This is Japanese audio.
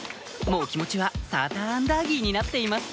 もう気持ちはサーターアンダーギーになっています